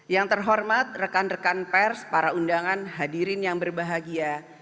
yang terhormat rekan rekan pers para undangan hadirin yang berbahagia